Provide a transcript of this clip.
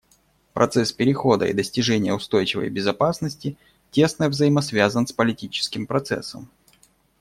Процесс перехода и достижения устойчивой безопасности тесно взаимосвязан с политическим процессом.